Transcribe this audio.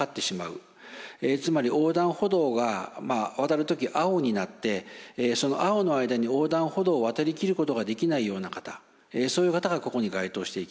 つまり横断歩道が渡る時青になって青の間に横断歩道を渡りきることができないような方そういう方がここに該当していきます。